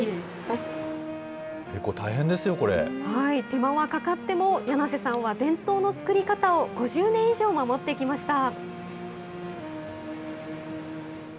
手間はかかっても、梁瀬さんは伝統の作り方を５０年以上守ってきました。